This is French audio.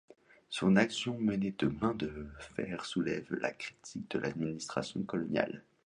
Son action menée de main de fer soulève la critique de l'administration coloniale.